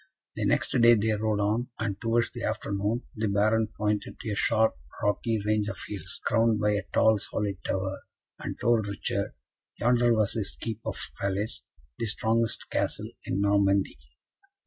The next day they rode on, and, towards the afternoon, the Baron pointed to a sharp rocky range of hills, crowned by a tall solid tower, and told Richard, yonder was his keep of Falaise, the strongest Castle in Normandy.